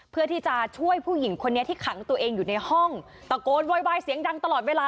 เพื่อที่จะช่วยผู้หญิงคนนี้ที่ขังตัวเองอยู่ในห้องตะโกนโวยวายเสียงดังตลอดเวลา